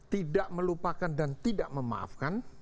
tidak melupakan dan tidak memaafkan